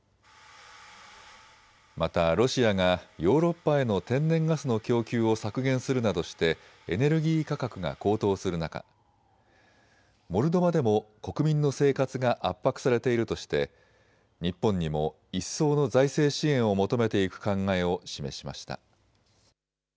またロシアがヨーロッパへの天然ガスの供給を削減するなどしてエネルギー価格が高騰する中、モルドバでも国民の生活が圧迫されているとして日本にも一層の財政支援を求めていく考えを示しました。